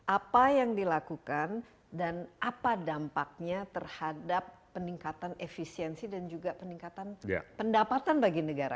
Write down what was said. apa yang dilakukan dan apa dampaknya terhadap peningkatan efisiensi dan juga peningkatan pendapatan bagi negara